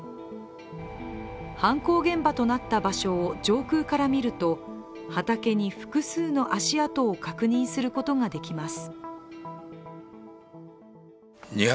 犯行現場となった場所を上空から見ると、畑に複数の足跡を確認することができます。